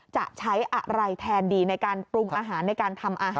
จะใช้อะไรแทนดีในการปรุงอาหารในการทำอาหาร